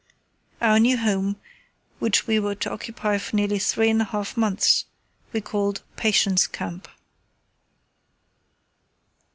Our new home, which we were to occupy for nearly three and a half months, we called "Patience Camp."